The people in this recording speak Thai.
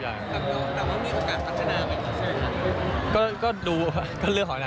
นักธุรกรรมเรียกว่าคำถามของเมื่อกี่ค่ะ